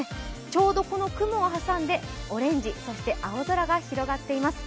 ちょうどこの雲を挟んで、オレンジそして青空が広がっています。